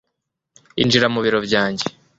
Injira mu biro byanjye